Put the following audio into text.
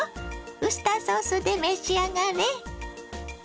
ウスターソースで召し上がれ！